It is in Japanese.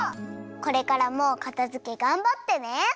これからもかたづけがんばってね。